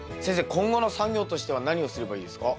今後の作業としては何をすればいいですか？